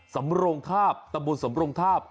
สำโรงทาบตะบนสำโรงทาบ